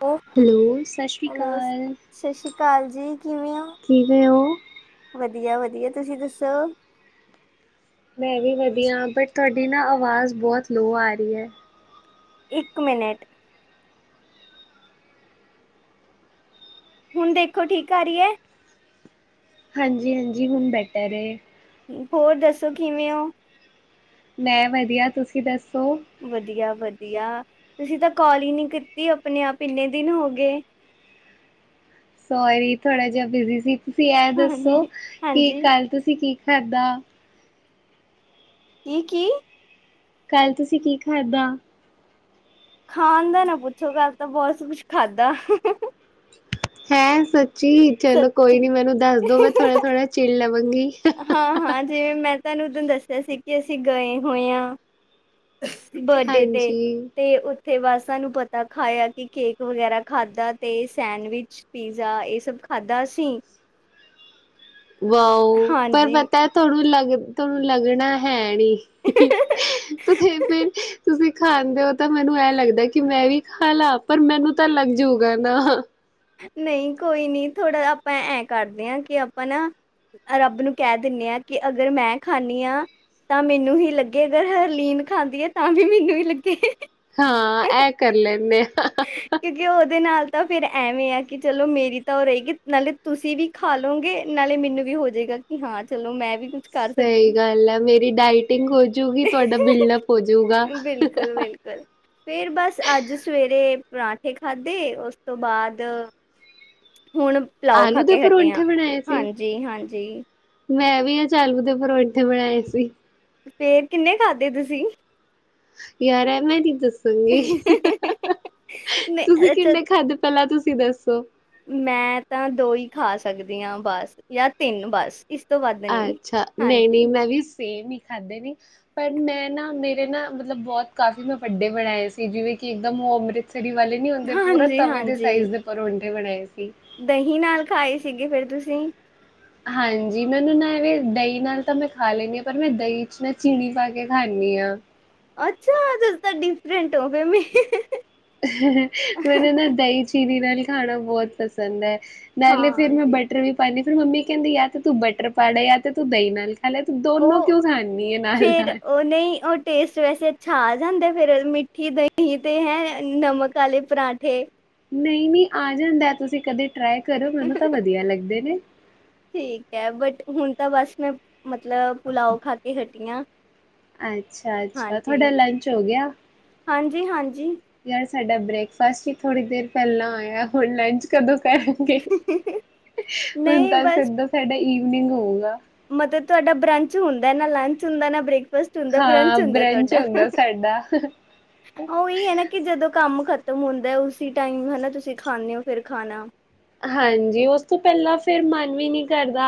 [unintelligible] Hello ਸਤਿ ਸ਼੍ਰੀ hello, ਅਕਾਲ ਸਤਿ ਸ਼੍ਰੀ ਅਕਾਲ ਜੀ, ਕਿਵੇਂ ਹੋ? ਕਿਵੇਂ ਹੋ ਵਧੀਆ-ਵਧੀਆ ਤੁਸੀਂ ਦੱਸੋ। ਮੈਂ ਵੀ ਵਧੀਆ ਬਟ ਤੁਹਾਡੀ ਨਾ ਆਵਾਜ਼ ਬਹੁਤ ਲੋ ਆ ਰਹੀ ਹੈ। ਇੱਕ ਮਿੰਟ। ਹੁਣ ਦੇਖੋ, ਠੀਕ ਆ ਰਹੀ ਹੈ। ਹਾਂਜੀ-ਹਾਂਜੀ ਹੁਣ ਬੈਟਰ ਏ। ਹੋਰ ਦੱਸੋ, ਕਿਵੇਂ ਹੋ। ਮੈਂ ਵਧੀਆ, ਤੁਸੀਂ ਦੱਸੋ। ਵਧੀਆ-ਵਧੀਆ, ਤੁਸੀਂ ਤਾਂ ਕੋਲ ਹੀ ਨੀ ਕੀਤੀ ਆਪਣੇ ਆਪ ਇੰਨੇ ਦਿਨ ਹੋ ਗਏ। ਸੋਰੀ, ਥੋੜ੍ਹਾ ਜਿਹਾ ਬਿਜ਼ੀ ਸੀ। ਤੁਸੀਂ ਏਹ ਦੱਸੋ ਹਾਂਜੀ। ਕਿ ਹਾਂਜੀ ਕੱਲ੍ਹ ਤੁਸੀਂ ਕੀ ਖਾਧਾ। ਕੀ-ਕੀ। ਕੱਲ੍ਹ ਤੁਸੀਂ ਕੀ ਖਾਧਾ। ਖਾਣ ਦਾ ਨਾ ਪੁੱਛੋ, ਕੱਲ ਤਾਂ ਬਹੁਤ ਕੁਛ ਖਾਧਾ। ਹੈਂ ਸੱਚੀ, ਚਲੋ ਕੋਈ ਸੱਚੀ। ਨੀ ਮੈਨੂੰ ਦੱਸ ਦੋ, ਮੈਂ ਥੋੜ੍ਹਾ-ਥੋੜ੍ਹਾ ਚਿੱਲ ਲਵਾਂਗੀ। ਹਾਂ-ਹਾਂ ਜਿਵੇਂ ਮੈਂ ਤੁਹਾਨੂੰ ਉਦੋਂ ਦੱਸਿਆ ਸੀ ਕਿ ਅਸੀਂ ਗਏ ਹੋਏ ਹਾ। ਬਰਡੇ ਤੇ, ਹਾਂਜੀ ਤੇ ਤੇ ਬਸ ਤਹਾਨੂੰ ਪਤਾ ਖਾਇਆ ਕਿ ਕੇਕ ਵਗੈਰਾ ਖਾਧਾ ਤੇ ਸੈਂਡਵਿਚ ਪੀਜ਼ਾ ਇਹ ਸਭ ਖਾਧਾ ਅਸੀ ਵਾਊ, ਪਰ ਹਾਂਜੀ ਪਤਾ ਥੋਨੂ ਲਗ ਥੋਨੂਂ ਲਗਣਾ ਹੈ ਨੀ, ਤੁਸੀਂ ਫਿਰ ਤੁਸੀਂ ਖਾਦੇਂ ਹੋ ਤਾਂ ਮੈਨੂੰ ਐੰ ਲੱਗਦਾ ਕਿ ਮੈਂ ਵੀ ਖਾ ਲਾ ਪਰ ਮੈਨੂੰ ਤਾਂ ਲੱਗ ਜਾਊਗਾ ਨਾ। ਨਈ ਕੋਈ ਨੀ ਥੋੜਾ ਆਪਾਂ ਐਂ ਕਰਦੇ ਆ ਕਿ ਆਪਾਂ ਨਾ ਰੱਬ ਨੂੰ ਕਿਹ ਦਿੰਨੇ ਆ ਕਿ ਅਗਰ ਮੈਂ ਖਾਂਨੀ ਆ ਤਾਂ ਮੈਨੂੰ ਹੀ ਲੱਗੇ ਅਗਰ ਹਰਲੀਨ ਖਾਂਦੀ ਆ ਤਾਂ ਵੀ ਮੈਨੂੰ ਹੀ ਲੱਗੇ। ਹਾਂ, ਐੰ ਕਰ ਲੈਂਨੇ ਆਂ। ਕਿਉਂਕਿ ਉਹਦੇ ਨਾਲ ਤਾਂ ਫੇਰ ਐਵੇਂ ਆ ਕਿ ਚਲੋ ਮੇਰੀ ਤਾਂ ਉਹ ਰਹੇਗੀ ਨਾਲੇ ਤੁਸੀਂ ਵੀ ਖਾ ਲੋਂਗੇ ਨਾਲੇ ਮੈਨੂੰ ਵੀ ਹੋਜਏਗਾ ਕਿ ਹਾਂ ਚਲੋ ਮੈਂ ਵੀ ਕੁਛ ਕਰ ਸਹੀ ਸਕੀ ਗੱਲ ਹੈ, ਮੇਰੀ ਡਾਇਟਿੰਗ ਹੋਜੂਗੀ ਤੁਹਾਡਾ ਬਿਲਡਅਪ ਹੋਜੂਗਾ। ਬਿਲਕੁਲ-ਬਿਲਕੁਲ। ਫੇਰ ਬਸ ਅੱਜ ਸਵੇਰ ਤੇ ਪਰਾਂਠੇ ਖਾਧੇ ਉਸ ਤੋਂ ਬਾਅਦ ਹੁਣ ਪਲਾਓ ਖਾ ਆਲੂ ਦੇ ਕੇ ਹਟੇ ਆ। ਪਰੌਂਠੇ ਬਣਾਏ ਸੀ ਹਾਂਜੀ-ਹਾਂਜੀ। ਮੈਂ ਵੀ ਅਜ ਆਲੂ ਦੇ ਪਰੌਂਠੇ ਬਣਾਏ ਸੀ। ਫੇਰ ਕਿੰਨੇ ਖਾਧੇ ਤੁਸੀਂ? ਯਾਰ ਐਵੇਂ ਨੀ ਦੱਸੂੰਗੀ। ਤੁਸੀਂ ਨਹੀਂ ਅੱਛਾ ਕਿੰਨੇ ਖਾਧੇ ਪਹਿਲਾਂ ਤੁਸੀਂ ਦੱਸੋ। ਮੈਂ ਤਾਂ ਦੋ ਈ ਖਾ ਸਕਦੀ ਆ ਬੱਸ ਯਾ ਤਿੰਨ ਬੱਸ। ਇਸ ਤੋਂ ਵਧ ਅੱਛਾ, ਨਹੀਂ-ਨਹੀਂ ਮੈਂ ਵੀ ਸੇਮ ਹੀ ਖਾਧੇ ਨੇ। ਪਰ ਮੈਂ ਨਾ ਮੇਰੇ ਨਾ ਮਤਲਬ ਬੌ ਕਾਫ਼ੀ ਮੈਂ ਵੱਡੇ ਬਣਾਏ ਸੀ ਜੀਵੇਂ ਕੀ ਏਕਦਮ ਓ ਅੰਮ੍ਰਿਤਸਰੀ ਵਾਲੇ ਨੀ ਹੁੰਦੇ ਪੂਰੇ ਤਵੇ ਦੇ ਹਾਂਜੀ-ਹਾਂਜੀ ਸਾਈਜ਼ ਦੇ ਪਰੋਂਠੇ ਬਣਾਏ ਸੀ। ਦਹੀਂ ਨਾਲ ਖਾਏ ਸੀਗੇ ਫੇਰ ਤੁਸੀਂ? ਹਾਂਜੀ ਮੈਨੂੰ ਨਾ ਏਵੇਂ ਦੲਈ ਨਾਲ ਤਾਂ ਮੈਂ ਖਾ ਲੈਂਨੀ ਆ ਪਰ ਮੈਂ ਦਈ ਚ ਨਾ ਚੀਨੀ ਪਾ ਕੇ ਖਾਂਨੀ ਆ। ਅੱਛਾ ਤੁਸੀ ਤਾਂ ਡੀਫਰੈਂਟ ਹੋ ਗੈ ਮੇ ਮੈਨੂੰ ਨਾ ਦਈ ਚੀਨੀ ਨਾਲ ਈ ਖਾਣਾ ਬੌ ਪਸੰਦ ਐ, ਨਾਲੇ ਫੇਰ ਮੈਂ ਹਾਂਜੀ ਬ ਟਰ ਵੀ ਪਾਂਦੀ ਫੇਰ ਮੰਮੀ ਕੈਂਦੀ ਯਾ ਤੇ ਤੂੰ ਬਟਰ ਪਾਲ ਯਾ ਤੇ ਤੂੰ ਦਈ ਨਾਲ ਪੈਲਾ ਤੂਂ ਦੋਨੋ ਕੇਉਂ ਖਾਨੀ ਐ ਨਾਲ-ਨਾਲ। ਓ ਨਈ ਓ ਟੇਸਟ ਵੈਸੇ ਅੱਛਾ ਆ ਜਾਂਦਾ ਫੇਰ ਮੀਠੀ ਦਹੀਂ ਤੇ ਹੈਂ ਨਮਕ ਆਲੇ ਪਰਾਂਠੇ। ਨਈ-ਨਈ ਆ ਜਾਂਦਾ ਤੁਸੀਂ ਕਦੇ ਟਰਾਈ ਕਰੋ ਮੈਨੂੰ ਤਾਂ ਵਦੀਆ ਲੱਗਦੇ ਨੇ। ਠੀਕ ਐ ਬਟ ਹੁਨ ਤਾਂ ਬਸ ਮੈਂ ਮਤਲਬ ਪੁਲਾਓ ਖਾ ਕੇ ਹਟੀ ਆ। ਅੱਛਾ-ਅੱਛਾ ਥੋਡਾ ਲੰਚ ਹੋ ਗੇਆ? ਹਾਂਜੀ ਹਾਂਜੀ ਯਾਰ ਸਾਡਾ ਬ੍ਰੇਕਫਾਸਟ ਹੀ ਥੋੜੀ ਦੇਰ ਪੈਂਲਾਂ ਆਏਆ ਹੁਣ ਲੈਚ ਕਦੋਂ ਕਰਨਗੇ, ਹੁਨ ਨਹੀਂ ਤਾਂ ਸੀਦਾ ਸਾਡਾ ਈਵਨੀਂਗ ਹੋਊਗਾ। ਮਤਰ ਤੁਆਡਾ ਬਰੰਚ ਹੁੰਦਾ ਨਾ ਲੰਚ ਹੁੰਦਾ ਨਾ ਬ੍ਰੇਕਫਾਸਟ ਹੁੰਦਾ ਹਾਂ ਬਰੰਚ ਹੁੰਦਾ ਤੁਆਡਾ, ਹੁੰਦਾ ਸਾਡਾ। ਓਈ ਆ ਨਾ ਕੀ ਜਦੋਂ ਕੰਮ ਖ਼ਤਮ ਹੁੰਦਾ ਉਸੀ ਟਾਈਮ ਹਨਾ ਤੁਸੀਂ ਖਾਂਨੇ ਓ ਫੇਰ ਖਾਣਾ। ਹਾਂਜੀ ਓਸ ਤੋਂ ਪੈਂਲਾਂ ਫੇਰ ਮਨ ਵੀ ਨੀ ਕਰਦਾ,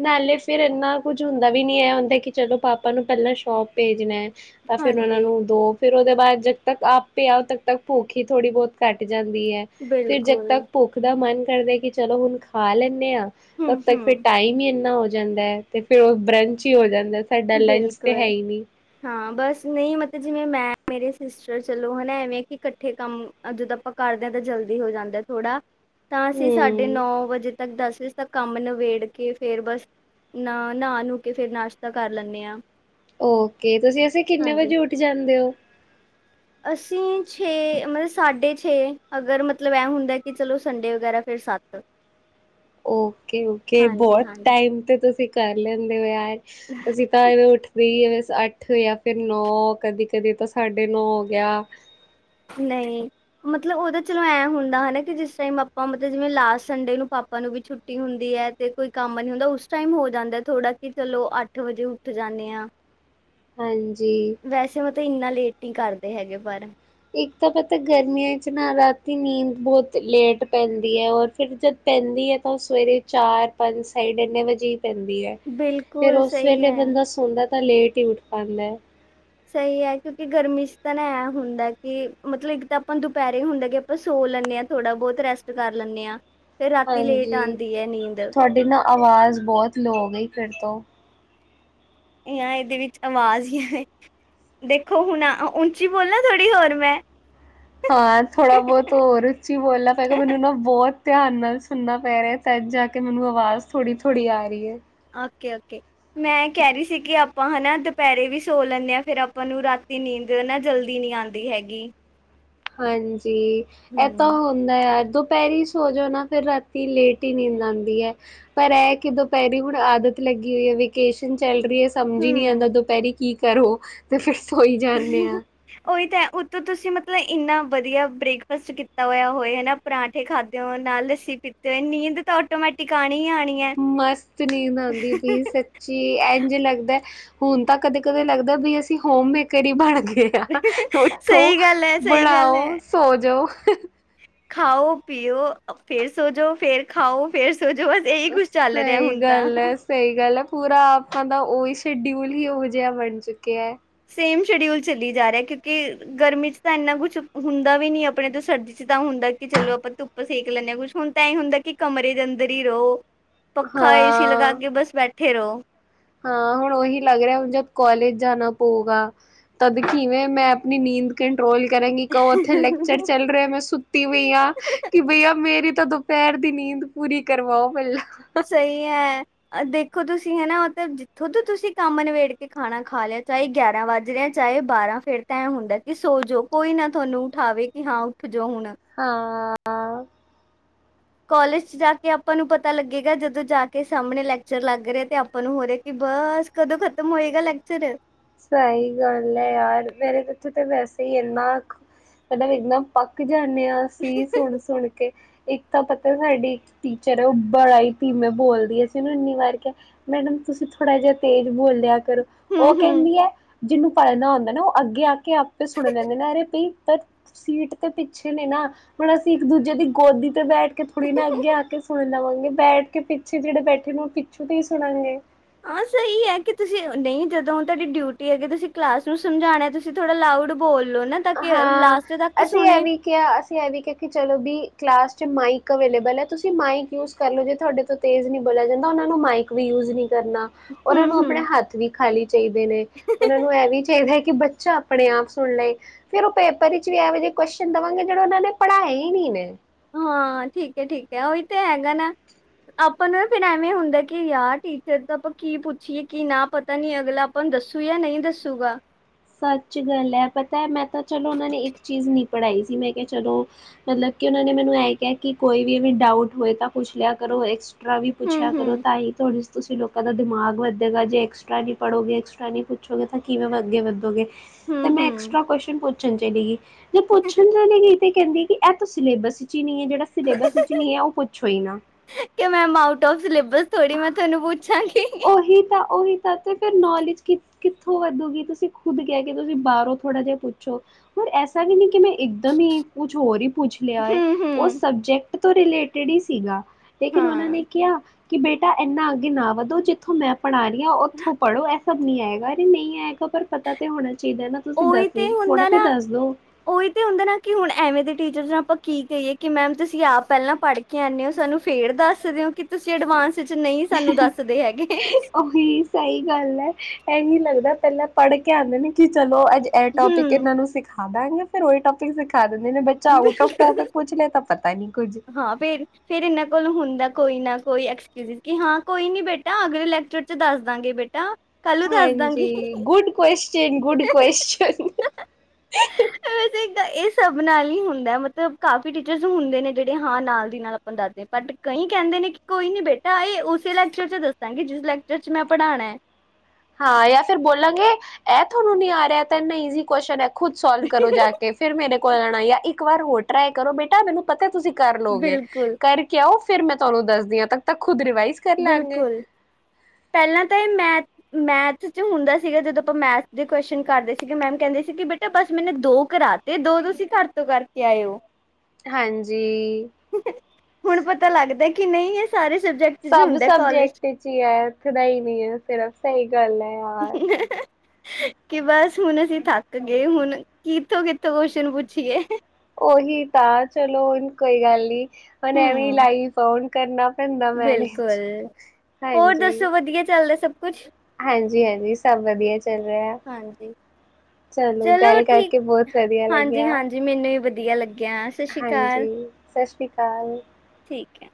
ਨਾਲੇ ਫੇਰ ਏਨਾ ਕੁੱਝ ਹੁੰਦਾ ਵੀ ਨੀ ਐ ਹੁੰਦਾ ਕੇ ਚਲੋ ਪਾਪਾ ਨੂੰ ਪੈਂਲਾਂ ਸ਼ੋਪ ਭੇਜਣੈ। ਤਾਂ ਫੇਰ ਮੈ ਓਨਾਂ ਹਾਂਜੀ ਨੂੰ ਦੋ ਫੇਰ ਓਦੇ ਬਾਦ ਜਦ ਤੱਕ ਆਪੇ ਆਓ ਤਦ ਤੱਕ ਭੁਖੀ-ਥੋੜੀ ਬਹੁਤ ਘੱਟ ਜਾਂਦੀ ਐ। ਫੇਰ ਜਦ ਬਿਲਕੁਲ ਤੱਕ ਭੁੱਖ ਦਾ ਮਨ ਕਰਦੇ ਕੇ ਚਲੋ ਹੁਣ ਖਾ ਲੈਂਨੇ ਆਂ ਹੂੰ ਓਦ ਤੱਕ ਫੇਰ ਹੂੰ ਟਾਈਮ ਈ ਐਨਾ ਹੋ ਜਾਂਦਾ ਹੈ ਤੇ ਫੇਰ ਓ ਬਰੰਚ ਈ ਹੋ ਜਾਂਦਾ। ਸਾਡਾ ਲੰਚ ਤੇ ਹੈ ਬੇਲਕੁਲ। ਹੀ ਨੀ। ਹਾਂ ਬਸ ਨਈ ਮਤਰ ਜੀਵੇਂ ਮੈਂ ਮੇਰੇ ਸੀਸਟਰ ਚਲੋ ਹਨਾ ਐਵੇਂ ਕੀ ਕੱਠੇ ਕੰਮ ਆ ਜਦੋ ਆਪਾਂ ਕਰਦੇ ਆ ਤਾਂ ਜਲਦੀ ਹੋ ਜਾਂਦਾ ਥੋੜਾ ਤਾਂ ਅਸੀਂ ਸਾ ਡੇ ਹੂੰ, ਨੌ ਵਜੇ ਤੱਕ ਦਸ ਵਜੇ ਤੱਕ ਕੰਮ ਨਵੇੜ ਕੇ ਫੇਰ ਬਸ ਨਾ ਨੂ ਕੇ ਫੇਰ ਨਾਸ਼ਤਾ ਕਰ ਲੈਂਦੇ ਆ। ਓਕੇ ਤੁਸੀਂ ਵੈਸੇ ਕੀਨੇ ਵਜੇ ਉੱਠ ਜਾਂਦੇ ਓ? ਅਸੀਂ ਛੇ ਮਾ ਸਾਡੇ ਛੇ, ਅਗਰ ਮਤਲਵ ਐਂ ਹੁੰਦਾ ਕੇ ਚਲੋ ਸੰਡੇ ਵਗੈਰਾ ਫੇਰ ਸੱਤ। ਓਕੇ-ਓਕੇ ਹਾਂਜੀ ਬੌਤ ਹਾਂਜੀ ਟਾਈਮ ਤੇ ਤੁਸੀਂ ਕਰ ਲੈਂਦੇ ਓ ਯਾਰ, ਅਸੀਂ ਤਾਂ ਓਠ ਦੇਈ ਅੱਠ ਜਾਂ ਫੇਰ ਨੌ ਕਦੀ ਕਦੇ ਤਾਂ ਸਾਡੇ ਨੌ ਹੋ ਗੇਆ। ਨਈ, ਮਤਲ ਓਦੇ ਚਲੋ ਐਂ ਹੁੰਦਾ ਹਨਾ ਕੀ ਜੇਸ ਟਾਈਮ ਆਪਾਂ ਮਤਲ ਜੀਵੇਂ, ਲਾਸਟ ਸੰਡੇ ਨੂੰ ਪਾਪਾ ਨੂੰ ਵੀ ਛੁੱ ਛੁਟੀ ਹੁੰਦੀ ਐ ਤੇ ਕੋਈ ਕੰਮ ਨੀ ਹੁੰਦਾ ਉਸ ਟਾਈਮ ਹੋ ਜਾਂਦਾ ਥੋੜਾ, ਕੀ ਚਲੋ ਅੱਠ ਵਜੇ ਉੱਠ ਜਾਂਦੇ ਆ। ਹਾਂਜੀ। ਵੈਸੇ ਮੈ ਤਾਂ ਏਨਾ ਲੇਟ ਨ ਕਰਦੇ ਹੈਗੇ ਪਰ। ਈਕ ਤਾਂ ਪਤਾ ਗਰਮੀਆਂ ਚ ਨਾ ਰਾਤੀ ਨੀਂਦ ਬੌਤ ਲੇਟ ਪੈਂਦੀ ਐ ਔਰ ਫੇਰ ਜਦ ਪੈਂਦੀ ਐ ਤਾਂ ਓ ਸਵੇਰੇ ਚਾਰ-ਪੰਜ ਸਾਈਡ ਐਨੇ ਵਜੇ ਈ ਪੈਂਦੀ ਐ। ਫੇਰ ਬਿਲਕੁਲ ਉਸ ਸਹੀ ਵੇਲੇ ਹੈ ਬੰਦਾ ਸੋਦਾ ਤਾਂ ਲੇਟ ਈ ਉੱਠ ਪਾਂਦੈ। ਸਈ ਐ ਕੋਕੀ ਗਰਮੀ ਚ ਤਾਂ ਨਾ ਐ ਹੁੰਦਾ ਕੀ ਮਤਵ ਏਕ ਤਾਂ ਆਪਾਂ ਦੁਪੈਰੇ ਹੁੰਦਾ ਕੀ ਆਪਾਂ ਸੋ ਲੈਂਦੇ ਹਾਂ ਥੋੜਾ-ਬਹੁਤ ਰੈਸਟ ਕਰ ਲੈਂਦੇ ਆਂ ਫੇਰ ਰਾਤੀ ਲੇਟ ਹਾਂਜੀ। ਆਂਦੀ ਐ ਨੀਂਦ। ਤੁਹਾਡੀ ਨਾ ਆਵਾਜ਼ ਬੌਤ ਲੋ ਹੋ ਗਈ ਫੇਰ ਤੋਂ। ਜਾਂ ਏਦੇ ਵੇਚ ਆਵਾਜ਼ ਈਐ ਦੇਖੋ ਹੁਣ ਉਚੀ ਬੋਲਣਾ ਥੋੜ੍ਹੀ ਹੋਰ ਮੈਂ। ਹਾਂ ਥੋੜ੍ਹਾ ਬਹੁਤ ਹੋਰ ਉੱਚੀ ਬੋਲਣਾ ਪਏਗਾ ਮੈਨੂੰ ਨਾ ਬਹੁਤ ਧਿਆਨ ਨਾਲ ਸੁਣਨਾ ਪੈ ਰਿਹਾ ਤਦ ਜਾ ਕੇ ਮੈਨੂੰ ਆਵਾਜ਼ ਥੋੜੀ-ਥੋੜ੍ਹੀ ਆ ਰਹੀ ਏ। ਓਕੇ-ਓਕੇ। ਮੈਂ ਕਹਿ ਰਹੀ ਸੀ ਕਿ ਆਪਾਂ ਹਨਾ ਦੁਪਹਿਰੇ ਵੀ ਸੋ ਲੈਂਨੇ ਆ ਫੇਰ ਆਪਾਂ ਨੂੰ ਰਾਤੀ ਨੀਂਦ ਨਾ ਜਲਦੀ ਨੀ ਆਂ ਦੀ ਹੈਗੀ। ਹਾਂਜੀ, ਐ ਤਾਂ ਹੂੰ ਹੁੰਦਾ ਯਾਰ ਦੁਪਹਿਰੀ ਸੋ ਜਾਓ ਨਾ ਫੇਰ ਰਾਤੀ ਲੇਟ ਈ ਨੀਂਦ ਆਂਦੀ ਐ। ਪਰ ਐ ਕਿ ਦੁਪਹਿਰੀ ਹੁਣ ਆਦਤ ਲੱਗੀ ਹੋਈ ਏ ਵੇਕੇਸ਼ਨ ਚੱਲ ਰਹੀ ਏ। ਸਮਝ ਹੀ ਨੀ ਆਂਦਾ ਹੂੰ ਦੁਪਹਿਰੀ ਕੀ ਕਰੋ, ਤੇ ਫਿਰ ਸੋਈ ਜਾਨੇ ਆ। ਉਹੀ ਤਾਂ ਹੈ ਉੱਤੋ ਤੁਸੀਂ ਮਤਲਬ ਇੰਨਾ ਵਧੀਆ ਬ੍ਰੇਕਫਾਸਟ ਕੀਤਾ ਹੋਇਆ ਹੋਏ ਹਨਾ ਪਰਾਂਠੇ ਖਾਧੇ ਹੋਣ ਨਾਲ ਲੱਸੀ ਪੀਤੀ ਹੋਏ ਨੀਂਦ ਤਾਂ ਆਟੋਮੈਟਿਕ ਆਣੀ ਆਣੀ। ਹੈ। ਮਸਤ ਨੀਂਦ ਆਂਦੀ ਬਈ ਸ ਜੀ ਇੰਝ ਲੱਗਦਾ, ਹੁਣ ਤਾਂ ਕਦੇ-ਕਦੇ ਲੱਗਦਾ ਵੀ ਅਸੀਂ ਹੋਮ ਮੇਕਰ ਈ ਬਣ ਗਏ। ਉੱਠੋ, ਸਹੀ ਗੱਲ ਹੈ ਸਹੀ ਗੱਲ ਬਣਾਓ, ਹੈ। ਸੋ ਜੋ। ਖਾਓ, ਪੀਓ, ਫੇਰ ਸੋਜੋ ਫੇਰ ਖਾਓ ਫੇਰ ਸੋ ਜੋ ਬਸ ਇਹੀ ਕੁੱਝ ਚੱਲ ਰਿਹਾ ਸਹੀ ਹੁਣ ਤਾਂ। ਗੱਲ ਹੈ ਸਹੀ ਗੱਲ ਏ ਪੂਰਾ ਆਪਾਂ ਦਾ ਉਹੀ ਸ਼ਡਿਊਲ ਹੀ ਉਹੋ ਜਿਹਾ ਬਣ ਚੁੱਕਿਆ। ਸੇਮ ਸ਼ਡਿਊਲ ਚੱਲੀ ਜਾ ਰਿਹਾ ਕਿਉਂਕਿ ਗਰਮੀ 'ਚ ਤਾਂ ਇੰਨਾ ਕੁਛ ਹੁੰਦਾ ਵੀ ਨੀ ਆਪਣੇ ਤੋਂ ਸਰਦੀ 'ਚ ਤਾਂ ਹੁੰਦਾ ਕਿ ਚਲੋ ਆਪਾਂ ਧੁੱਪ ਸੇਕ ਲੈਂਨੇ ਆ ਕੁਛ ਹੁਣ ਤਾਂ ਐ ਹੁੰਦਾ ਕਿ ਕਮਰੇ ਦੇ ਅੰਦਰ ਈ ਰਹੋ। ਪੱਖਾ ਏ ਸੀ ਲਗਾ ਹਾਂ ਕੇ ਬਸ ਬੈਠੇ ਰਹੋ। ਹਾਂ ਹੁਣ ਉਹੀ ਲੱਗ ਰਿਹਾ ਹੁਣ ਜਦ ਕੋਲਜ ਜਾਣਾ ਪਊਗਾ ਤਦ ਖੀਵੇਂ ਮੈਂ ਆਪਣੀ ਨੀਂਦ ਕੰਟਰੋਲ ਕਰਾਂਗੀ ਕਹੋ ਉੱਥੇ ਲੈਕਚਰ ਚੱਲ ਰਿਹਾ ਮੈਂ ਸੁੱਤੀ ਪਈ ਆ ਕਿ ਬਈਆ ਮੇਰੀ ਤਾਂ ਦੁ ਪੈਰ ਦੀ ਨੀਂਦ ਪੂਰੀ ਕਰਵਾਓ ਪਹਿਲਾਂ। ਸਹੀ ਐ। ਦੇਖੋ ਤੁਸੀਂ ਹਨਾ ਉਹ ਤਾਂ ਜਿੱਥੋਂ ਤੋਂ ਤੁਸੀਂ ਕੰਮ ਨਿਵੇੇੜ ਕੇ ਖਾਣਾ ਖਾ ਲਿਆ ਚਾਹੇ ਗਿਆਰਾਂ ਵੱਜ ਰਹੇ ਚਾਏ ਬਾਰਾਂ ਫੇਰ ਤਾਂ ਐਂ ਹੁੰਦਾ ਕਿ ਸੋ ਜਾ ਕੋਈ ਨਾ ਥੋਨੂੰ ਉਠਾਵੇ ਕਿ ਹਾਂ ਉੱਠ ਜੋ ਹੁਣ। ਹਾਂ। ਕੋਲਜ 'ਚ ਜਾ ਕੇ ਆਪਾਂ ਨੂੰ ਪਤਾ ਲੱਗੇਗਾ ਜਦੋਂ ਜਾ ਕੇ ਸਾਹਮਣੇ ਲੈਕਚਰ ਲੱਗ ਰਿਹਾ ਤੇ ਆਪਾਂ ਨੂੰ ਹੋ ਰਿਹਾ ਕਿ ਬਸ ਕਦੋਂ ਖਤਮ ਹੋਏਗਾ ਲੈਕਚਰ। ਸਹੀ ਗੱਲ ਐ ਯਾਰ ਮੇਰੇ ਉਥੇ ਤਾਂ ਵੈਸੇ ਹੀ ਇੰਨਾ ਮਤਲਬ ਇੱਕਦਮ ਪੱਕ ਜਾਂਨੇ ਆ ਅਸੀਂ ਸੁਣ-ਸੁਣ ਕੇ। ਇੱਕ ਤਾਂ ਪਤਾ ਸਾਡੀ ਇੱਕ ਟੀਚਰ ਏ ਉਹ ਬੜਾ ਹੀ ਧੀਮੇ ਬੋਲਦੀ ਏ ਅਸੀ ਉਹਨੂੰ ਇੰਨੀ ਵਾਰ ਕਿਹਾ ਮੈਡਮ ਤੁਸੀਂ ਥੋੜਾ ਜਿਹਾ ਤੇਜ਼ ਬੋਲ ਲਿਆ ਕਰੋ। ਉਹ ਹੂੰ-ਹੂੰ ਕਹਿੰਦੀ ਐ, ਜਿਹਨੂੰ ਪੜ੍ਹਨਾ ਹੁੰਦਾ ਨਾ ਉਹ ਅੱਗੇ ਆ ਕੇ ਆਪੇ ਸੁਣ ਲੈਂਦੇ ਨੇ ਅਰੇ ਬਈ ਸੀਟ ਤੇ ਪਿੱਛੇ ਨੇ ਨਾ, ਹੁਣ ਅਸੀਂ ਇੱਕ-ਦੂਜੇ ਦੀ ਗੋਦੀ ਤੇ ਬੈਠ ਕੇ ਥੋੜ੍ਹੀ ਨਾ ਅੱਗੇ ਆ ਕੇ ਸੁਣ ਲਵਾਂਗੇ ਬੈਠ ਕੇ ਪਿੱਛੇ ਜਿਹੜੇ ਬੈਠੇ ਨੇ ਉਹ ਪਿੱਛੋਂ ਤੋਂ ਹੀ ਸੁਣਾਂਗੇ। ਹਾਂ ਸਹੀ ਐ ਕਿ ਤੁਸੀਂ ਨਹੀਂ ਜਦੋਂ ਤੁਹਾਡੀ ਡਿਊਟੀ ਹੈਗੀ ਤੁਸੀਂ ਕਲਾਸ ਨੂੰ ਸਮਝਾਣਾ ਤੁਸੀ ਥੋੜਾ ਲਾਊਡ ਬੋਲੋ ਨਾ। ਤਾਂ ਕਿ ਹਾਂ, ਲਾਸਟ ਤੱਕ ਅਸੀਂ ਇਹ ਸੁਣੇ ਵੀ ਕਿਹਾ ਅਸੀਂ ਇਹ ਵੀ ਕਿਹਾ ਕਿ ਚਲੋ ਵੀ ਕਲਾਸ 'ਚ ਮਾਈਕ ਅਵੇਲੇਬਲ ਹੈ ਤੁਸੀਂ ਮਾਈਕ ਯੂਜ ਕਰਲੋ ਜੇ ਤੁਹਾਡੇ ਤੋਂ ਤੇਜ਼ ਨੀ ਬੋਲਿਆ ਜਾਂਦਾ ਉਹਨਾਂ ਨੂੰ ਮਾਈਕ ਵੀ ਯੂਜ ਨੀ ਕਰਨਾ। ਉਹਨਾਂ ਨੂੰ ਆਪਣੇ ਹੂੰ-ਹੂੰ ਹੱਥ ਵੀ ਖਾਲੀ ਚਾਹੀਦੇ ਨੇ, ਉਹਨਾਂ ਨੂੰ ਐ ਵੀ ਚਾਹੀਦਾ ਕਿ ਬੱਚਾ ਆਪਣੇ ਆਪ ਸੁਣ ਲਏ, ਫੇਰ ਉਹ ਪੇਪਰ ਵਿੱਚ ਵੀ ਇਹੋ ਜਿਹੇ ਕੁਸ਼ਚਨ ਦੇਵਾਂਗੇ ਜਿਹੜੇ ਉਹਨਾਂ ਨੇ ਪੜਾਏ ਨੀ ਨੇ। ਹਾਂ ਠੀਕ ਐ ਠੀਕ ਐ, ਉਹੀ ਤੇ ਹੈਗਾ ਨਾ। ਆਪਾਂ ਨੂੰ ਫਿਰ ਐਵੇਂ ਹੁੰਦਾ ਕਿ ਯਾਰ ਟੀਚਰ ਤੋਂ ਆਪਾਂ ਕੀ ਪੁੱਛੀਏ, ਕੀ ਨਾ ਪਤਾ ਨੀ ਅਗਲਾ ਆਪਾਂ ਨੂੰ ਦੱਸੂ ਜਾਂ ਨਹੀਂ ਦੱਸੂਗਾ। ਸੱਚ ਗੱਲ ਐ, ਪਤਾ ਮੈਂ ਤਾਂ ਚਲੋ ਉਹਨਾਂ ਨੇ ਇੱਕ ਚੀਜ਼ ਨਹੀਂ ਪੜ੍ਹਾਈ ਸੀ ਮੈਂ ਕਿਹਾ ਚਲੋ ਮਤਲਬ ਕਿ ਉਹਨਾਂ ਨੇ ਮੈਨੂੰ ਐ ਕਿਹਾ ਕਿ ਕੋਈ ਵੀ ਡਾਊਟ ਹੋਏ ਤਾਂ ਪੁੱਛ ਲਿਆ ਕਰੋ, ਅ ਐਕਸਟਰਾ ਵੀ ਪੁੱਛਿਆ ਕਰੋ ਹੂੰ-ਹੂੰ ਤਾਂਈ ਤੁਹਾਨੂੰ ਤੁਸੀਂ ਲੋਕਾਂ ਦਾ ਦਿਮਾਗ ਵਧੇਗਾ ਜੇ ਐਕਸਟਰਾ ਨਹੀਂ ਪੜ੍ਹੋਗੇ, ਐਕਸਟਰਾ ਨਹੀਂ ਪੁੱਛੋਗੇ ਤਾਂ ਕਿਵੇਂ ਅੱਗੇ ਵੱਧੋਗੇ। ਤੇ ਮੈਂ ਹੂੰ-ਹੂੰ ਐਕਸਟਰਾ ਕੁਸ਼ਨ ਪੁੱਛਣ ਚਲੇਗੀ, ਜੇ ਪੁੱਛਣ ਚਲੇਗੀ ਤੇ ਕਹਿੰਦੀ ਕਿ ਐ ਤਾਂ ਸਿਲੇਬਸ ਵਿੱਚ ਹੀ ਨਹੀਂ ਐ, ਜਿਹੜਾ ਸਿਲੇਬਸ ਵਿੱਚ ਨਹੀਂ ਐ ਉਹ ਪੁੱਛੋ ਹੀ ਨਾ। ਕਿ ਮੈਮ ਆਊਟ ਓਫ ਸਿਲੇਬਸ ਥੋੜ੍ਹੀ ਮੈਂ ਤੁਹਾਨੂੰ ਪੁੱਛਾਂਗੀ। ਉਹੀ ਤਾਂ ਉਹੀ ਤਾਂ ਕਿ ਫਿਰ ਨੌਲੇਜ ਕਿ ਕਿੱਥੋਂ ਵੱਧੂਗੀ, ਤੁਸੀਂ ਖੁਦ ਕਿਆ ਕਿ ਤੁਸੀਂ ਬਾਹਰੋਂ ਥੋੜ੍ਹਾ ਜਿਹਾ ਪੁੱਛੋ। ਪਰ ਐਸਾ ਵੀ ਨਹੀਂ ਕਿ ਮੈਂ ਇੱਕਦਮ ਹੀ ਕੁਛ ਹੋਰ ਹੀ ਪੁੱਛ ਲਿਆ ਐ, ਉਹ ਹੂੰ-ਹੂੰ, ਸਬਜੈਕਟ ਤੋਂ ਰਿਲੇਟਿਡ ਹੀ ਸੀਗਾ, ਲੇਕਿਨ ਉਹਨਾਂ ਹਾਂ ਨੇ ਕਿਆ ਕਿ ਬੇਟਾ ਐਨਾ ਅੱਗੇ ਨਾ ਵਧੋ, ਜਿੱਥੋਂ ਮੈਂ ਪੜ੍ਹਾ ਰਹੀ ਹਾਂ ਉੱਥੋਂ ਪੜ੍ਹੋ, ਐ ਸਭ ਨੀ ਆਏਗਾ, ਜੇ ਨਹੀਂ ਆਏਗਾ ਪਰ ਪਤਾ ਤਾਂ ਹੋਣਾ ਚਾਹੀਦਾ ਨਾ ਤੁਸੀਂ ਉਹੀ ਦੱਸਦੇ ਤੇ ਨੀ ਥੋੜ੍ਹਾ ਹੁੰਦਾ ਤੇ ਨਾ ਦੱਸਦੋ। ਉਹੀ ਤੇ ਹੁੰਦਾ ਨਾ ਕਿ ਹੁਣ ਐਵੇਂ ਦੇ ਟੀਚਰਜ਼ ਨੂੰ ਆਪਾਂ ਕੀ ਕਹੀਏ ਕਿ ਮੈਮ ਤੁਸੀਂ ਆਪ ਪਹਿਲਾਂ ਪੜ੍ਹ ਪੜ੍ਹ ਕੇ ਆਣੇ ਓ, ਸਾਨੂੰ ਫੇਰ ਦੱਸਦੇ ਓ ਕਿ ਤੁਸੀਂ ਅਡਵਾਂਸ ਚ ਨਹੀਂ ਸਾਨੂੰ ਦੱਸਦੇ ਹੈਗੇ। ਐ ਵੀ ਸਹੀ ਗੱਲ ਐ, ਇਹੀ ਲੱਗਦਾ ਪਹਿਲਾਂ ਪੜ੍ਹ ਕੇ ਆਂਦੇ ਨੇ ਕਿ ਚਲੋ ਅੱਜ ਐ ਟੋਪਿਕ ਹੂੰ, ਇਹਨਾਂ ਨੂੰ ਸਿਖਾਦਾਂਗੇ, ਫਿਰ ਉਹੀ ਟੋਪਿਕ ਸਿਖਾ ਦਿੰਦੇ ਨੇ ਬੱਚਾ ਆਊਟ ਔਫ ਬਿਲਕੁਲ ਟੋਪਿਕ ਪੁੱਛ ਲੈ ਤਾਂ ਪਤਾ ਨਹੀਂ ਕੁਝ। ਹਾਂ, ਫੇਰ ਫੇਰ ਇਹਨਾਂ ਕੋਲ ਹੁੰਦਾ ਕੋਈ ਨਾ ਕੋਈ ਐਕਸਕਿਊਜ ਕਿ ਹਾਂ ਕੋਈ ਨੀ ਬੇ ਬੇਟਾ ਅਗਲੇ ਲੈਕਚਰ ਚ ਦੱਸ ਦਾਂਗੇ ਬੇ ਹਾਂਜੀ, ਗੁਡ ਕੁਸ਼ਚਨ ਗੁਡ ਕੁਸ਼ਚਨ। ਵੈਸੇ ਇਹ ਤਾਂ ਸਭ ਨਾਲ ਨੀ ਹੁੰਦਾ ਮਤਲਬ ਕਾਫ਼ੀ ਟੀਚਰਸ ਹੁੰਦੇ ਨੇ ਜਿਹੜੇ ਹਾਂ ਨਾਲ ਦੀ ਨਾਲ ਆਪਾਂ ਦੱਸਦੇ, ਬਟ ਕਈ ਕਹਿੰਦੇ ਨੇ ਕੋਈ ਨੀ ਬੇਟਾ ਇਹ ਉਸੇ ਲੈਕਚਰ ਚ ਦੱਸਾਂਗੇ ਜਿਸ ਲੈਕ ਜੇ ਚ ਮੈਂ ਪੜ੍ਹਾਣਾ ਐ। ਹਾਂ ਜਾਂ ਫਿਰ ਬੋਲਾਂਗੇ ਐ ਤੁਹਾਨੂੰ ਨੀ ਆ ਰਿਹਾ, ਐ ਤਾਂ ਐਨਾ ਈਜ਼ੀ ਕੋਸਚਨ ਐ, ਖ਼ੁਦ ਸੋਲਵ ਕਰੋ ਜਾ ਕੇ ਫਿਰ ਮੇਰੇ ਕੋਲ ਆਣਾ ਜਾਂ ਇੱਕ ਵਾਰ ਹੋਰ ਟਰਾਈ ਕਰੋ ਬੇਟਾ ਮੈਨੂੰ ਪਤਾ ਤੁਸੀਂ ਕਰ ਲਉਗੇ, ਬਿਲਕੁਲ ਕਰਕੇ ਆਓ ਫਿਰ ਮੈਂ ਤੁਹਾਨੂੰ ਦੱਸਦੀ ਹਾਂ ਤਦ ਤੱਕ ਖ਼ੁਦ ਰਿਵਾਈਜ਼ ਕਰ ਲਾਂਗੇ ਬਿਲਕੁਲ, ਪਹਿਲਾਂ ਤਾਂ ਇਹ ਮੈ ਮੈਥ ਚ ਹੁੰਦਾ ਸੀਗਾ ਜਦੋਂ ਤੋਂ ਮੈਥ ਦੇ ਕੁਸ਼ਚਨ ਕਰ ਰਹੇ ਸੀਗੇ, ਮੈਮ ਕਹਿੰਦੇ ਸੀ ਕਿ ਬੇਟਾ ਬਸ ਮੈਨੂੰ ਦੋ ਕਰਾ ਤੇ ਦੋ ਤੁਸੀਂ ਘਰ ਤੋਂ ਕਰਕੇ ਆਏ ਓ। ਹਾਂਜੀ। ਹੁਣ ਪਤਾ ਲੱਗਦਾ ਕਿ ਨਹੀਂ ਇਹ ਸਾਰੇ ਸਬਜੈਕਟ ਚ ਸਭ ਹੁੰਦਾ ਸਬਜੈਕਟ ਚ ਹੀ ਐ, ਇੱਥੇ ਹੈ ਨੀ ਐ ਫੇਰ ਸਹੀ ਗੱਲ ਐ ਯਾਰ। ਕਾਲਜ ਕਿ ਬਸ ਹੁਣ ਅਸੀਂ ਥੱਕ ਗਏ, ਹੁਣ ਕਿੱਥੋਂ ਕਿੱਥੋਂ ਕੁਸ਼ਚਨ ਪੁੱਛੀਏ। ਉਹੀ ਤਾਂ ਚਲੋ ਹੁਣ ਕੋਈ ਗੱਲ ਨੀ, ਹੁਣ ਐਵੇਂ ਹੂੰ ਲਾਈਫ ਔਨ ਕਰਨਾ ਪੈਂਦਾ ਮੈਨੇਜ, ਬਿਲਕੁਲ ਹੋਰ ਹਾਂਜੀ। ਦੱਸੋ ਵਧੀਆ ਚੱਲਦਾ ਏ ਸਭ ਕੁਛ? ਹਾਂਜੀ ਹਾਂਜੀ, ਸਭ ਵਧੀਆ ਚੱਲ ਰਿਆ। ਹਾਂਜੀ ਚਲੋ ਗੱਲ ਕਰਕੇ ਬਹੁਤ ਵਧੀਆ ਹਾਂਜੀ ਲੱਗਿਆ। ਹਾਂਜੀ ਮੈਨੂੰ ਵੀ ਵਧੀਆ ਲੱਗਿਆ। ਸਤਿ ਸ਼੍ਰੀ ਅਕਾਲ ਹਾਂਜੀ, ਸਸ ਸੀ ਕਾਲ। ਠੀਕ ਐ।